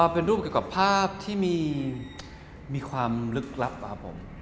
เป็นรูปเกี่ยวกับภาพที่มีความลึกลับครับผม